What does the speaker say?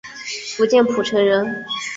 福建浦城人。